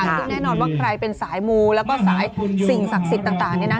ซึ่งแน่นอนว่าใครเป็นสายมูแล้วก็สายสิ่งศักดิ์สิทธิ์ต่างเนี่ยนะ